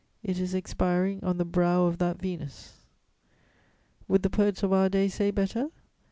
it is expiring on the brow of that Venus." Would the poets of our day say better?